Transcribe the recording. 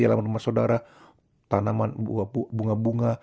alam rumah saudara tanaman bunga bunga